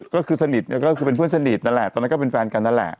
ก็คือสนิทก็คือเป็นเพื่อนสนิทนั่นแหละตอนนั้นก็เป็นแฟนกันนั่นแหละ